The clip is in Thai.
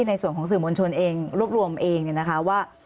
ในส่วนของสื่อมวลชนเองรวบรวมเองเนี่ยนะคะว่า